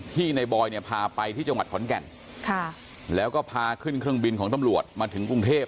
ในบอยเนี่ยพาไปที่จังหวัดขอนแก่นค่ะแล้วก็พาขึ้นเครื่องบินของตำรวจมาถึงกรุงเทพ